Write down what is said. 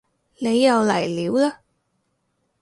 你又嚟料嘞